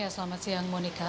selamat siang monica